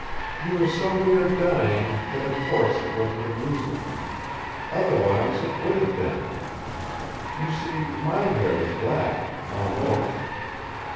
You were so near dying that of course it wasn't amusing. Otherwise it would have been. You see MY hair is black, almost!"